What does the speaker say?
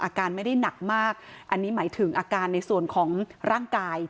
อาการไม่ได้หนักมากอันนี้หมายถึงอาการในส่วนของร่างกาย